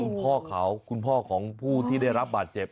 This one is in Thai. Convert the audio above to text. คุณพ่อเขาคุณพ่อของผู้ที่ได้รับบาดเจ็บ